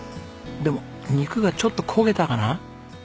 でも肉がちょっと焦げたかな？